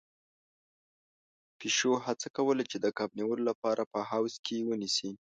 پيشو هڅه کوله چې د کب نيولو لپاره په حوض کې ونيسي.